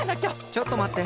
ちょっとまって。